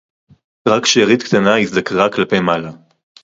רַק שְׁאֵרִית קְטַנָּה הִזְדַּקְּרָה כְּלַפֵּי מַעְלָה